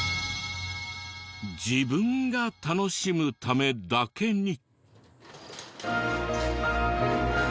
自分が楽しむためだけに。